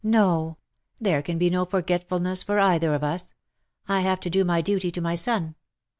" No ! there can be no forgetfulness for either of us. I have to do my duty to my son.